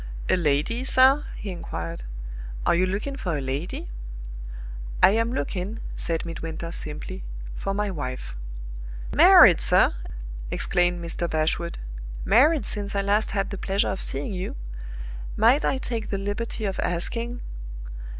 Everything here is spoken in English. "A lady, sir?" he inquired. "Are you looking for a lady?" "I am looking," said Midwinter, simply, "for my wife." "Married, sir!" exclaimed Mr. Bashwood. "Married since I last had the pleasure of seeing you! Might I take the liberty of asking